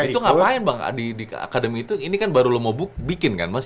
itu ngapain bang di akademi itu ini kan baru lo mau bikin kan mas